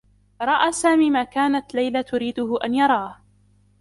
رأى سامي ما كانت ليلى تريده أن يراه.